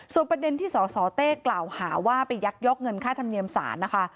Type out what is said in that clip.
ส่วนประเด็นที่สสเต้กล่าวหาว่าไปยักยอกเงินค่าธรรมเนียมศาลนะคะ